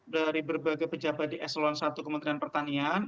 dari berbagai pejabat di eselon i kementerian pertanian